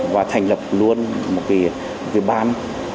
và thành lập luôn một cái ban